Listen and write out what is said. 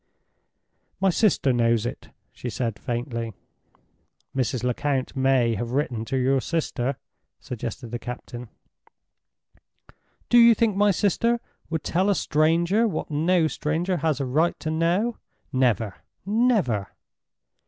"My sister knows it," she said, faintly. "Mrs. Lecount may have written to your sister," suggested the captain: "Do you think my sister would tell a stranger what no stranger has a right to know? Never! never!"